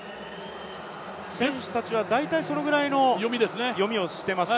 選手たちは大体そのぐらいの読みをしていますか？